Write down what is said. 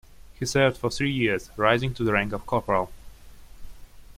He served for three years, rising to the rank of corporal.